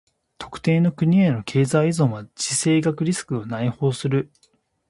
特定の国への経済依存は地政学リスクを内包する。